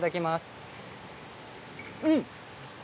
うん！